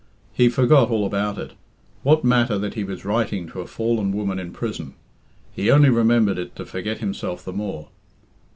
He forgot all about it. What matter that he was writing to a fallen woman in prison? He only remembered it to forget himself the more.